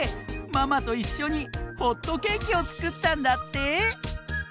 ママといっしょにホットケーキをつくったんだって！